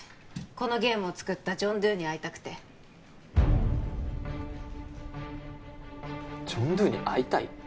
このゲームを作ったジョン・ドゥに会いたくてジョン・ドゥに会いたい？